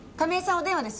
お電話です。